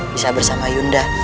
bisa bersama yunda